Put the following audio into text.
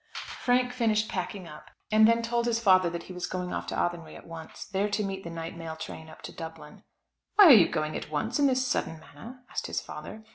Frank finished packing up, and then told his father that he was going off to Athenry at once, there to meet the night mail train up to Dublin. "Why are you going at once, in this sudden manner?" asked his father.